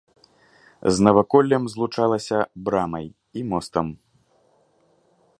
З наваколлем злучалася брамай і мостам.